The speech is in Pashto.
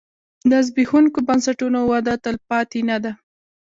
د زبېښونکو بنسټونو وده تلپاتې نه ده.